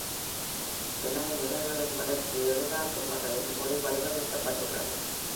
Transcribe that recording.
இணை நிரல்களின் வளர்ச்சியை "எளிதாக்கும் வகையில்" மொழி வடிவமைக்கப்பட்டுள்ளது.